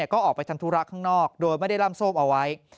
ก็ออกไปทำธุระข้างนอกโดยไม่ได้ร่ำโซ่มเอาไว้